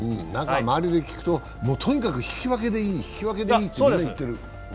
周りで聞くと、とにかく引き分けでいいと言っている。